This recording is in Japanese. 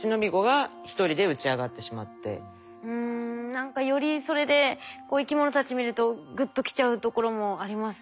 何かよりそれで生き物たち見るとグッときちゃうところもありますね。